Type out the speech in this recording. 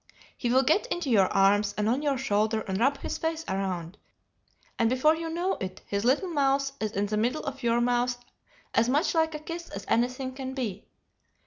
He will get into your arms and on your shoulder and rub his face around, and before you know it his little mouth is in the middle of your mouth as much like a kiss as anything can be.